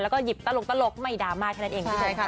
แล้วก็หยิบตลกไม่ดราม่าแค่นั้นเองคุณผู้ชมค่ะ